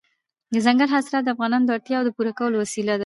دځنګل حاصلات د افغانانو د اړتیاوو د پوره کولو وسیله ده.